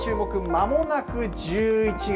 まもなく１１月。